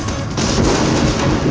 aku akan menangkanmu